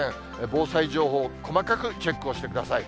防災情報、細かくチェックをしてください。